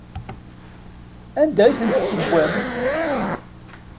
Anda i tent-tessewwem?